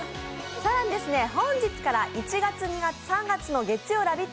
更に本日から１月２月３月の月曜「ラヴィット！」